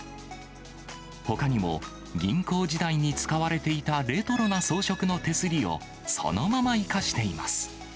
ほかにも、銀行時代に使われていたレトロな装飾の手すりを、そのまま生かしています。